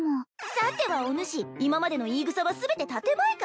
さてはおぬし今までの言いぐさは全て建前か？